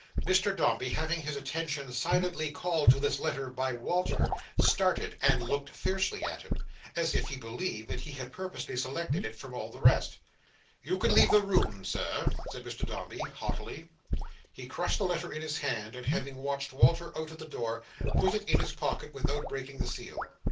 Mr Dombey, having his attention silently called to this letter by Walter, started, and looked fiercely at him, as if he believed that he had purposely selected it from all the rest. "You can leave the room, Sir!" said Mr Dombey, haughtily. He crushed the letter in his hand; and having watched Walter out at the door, put it in his pocket without breaking the seal.